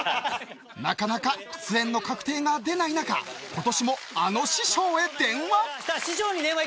なかなか出演の確定が出ない中今年もあの師匠へ電話。